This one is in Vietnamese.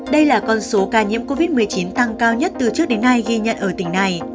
đây là con số ca nhiễm covid một mươi chín tăng cao nhất từ trước đến nay ghi nhận ở tỉnh này